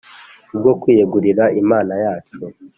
bwo kwiyegurira imana yacu